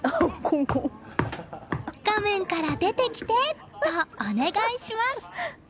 画面から出てきてとお願いします。